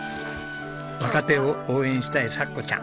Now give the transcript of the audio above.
若手を応援したいさっこちゃん。